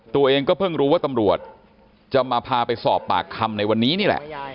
ตัวเองก็เพิ่งรู้ว่าตำรวจจะมาพาไปสอบปากคำในวันนี้นี่แหละ